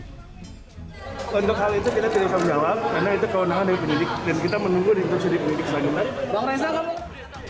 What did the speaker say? hal itu kita tidak akan jawab karena itu kewenangan dari penyidik dan kita menunggu dikursi dari penyidik selanjutnya